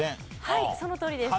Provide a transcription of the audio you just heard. はいそのとおりです。